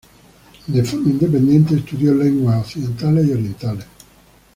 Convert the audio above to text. De forma independiente, estudió lenguas occidentales y orientales.